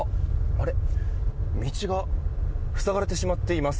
道が塞がれてしまっています。